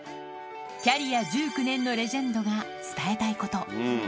キャリア１９年のレジェンドが伝えたいこと。